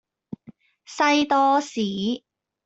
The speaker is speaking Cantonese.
西多士